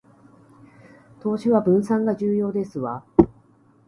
投資は分散が重要ですわ